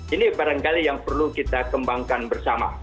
ini barangkali yang perlu kita kembangkan bersama